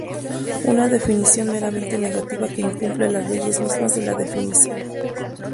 Una definición meramente negativa que incumple las leyes mismas de la definición.